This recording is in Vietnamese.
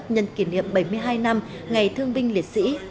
nhân kỷ niệm bảy mươi hai năm ngày thương binh liệt sĩ